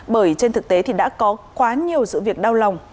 bởi trên thực tế thì đã có quá nhiều sự việc đau lòng